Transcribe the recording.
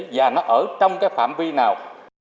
và nó ở trong cái phạm vi nào